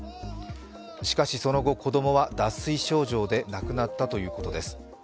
しかしその後、子供は脱水症状で亡くなったということです。